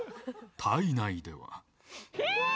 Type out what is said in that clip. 体内では。